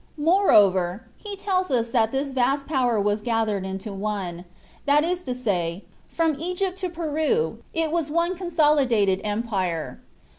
Moreover, he tells us that "this vast power was gathered into one;" that is to say, from Egypt to Peru it was one consolidated empire.